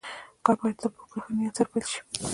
کار بايد تل په پوره ښه نيت سره پيل شي.